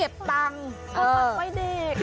พ่อทำไว้เด็ก